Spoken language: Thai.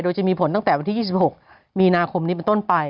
โดยจะมีผลตั้งแต่วันที่๒๖มีนาคมนี้เป็นต้นไป